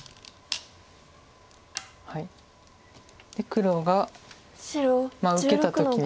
黒が受けた時に。